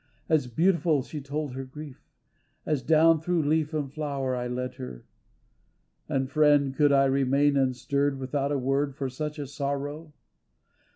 As beautiful she told her grief. As down through leaf and flower I led her. And friend, could I remain unstirred Without a word for such a sorrow?